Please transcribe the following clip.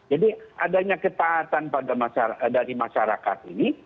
jadi adanya ketaatan dari masyarakat ini